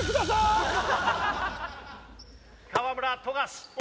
河村富樫。